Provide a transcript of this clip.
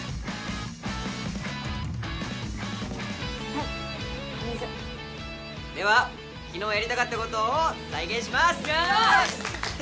はいお水では昨日やりたかったことを再現しますよし！